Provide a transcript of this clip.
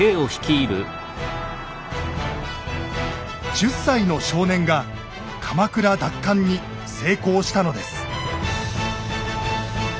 １０歳の少年が鎌倉奪還に成功したのです。